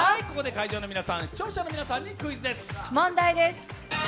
こちらで会場の皆さん、視聴者の皆さんにクイズです。